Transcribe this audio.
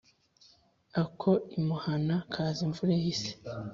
Ako imuhana kaza imvura ihise.